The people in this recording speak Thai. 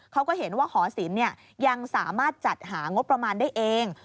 เขาก็เห็นว่าหอศิลป์ยังสามารถจัดหางบประมาณได้เอง